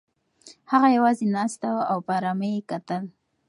هغه یوازې ناسته وه او په ارامۍ یې کتل.